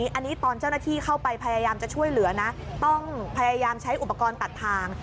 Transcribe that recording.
อันนี้ตอนเจ้าหน้าที่เข้าไปพยายามจะช่วยเหลือนะต้องพยายามใช้อุปกรณ์ตัดทาง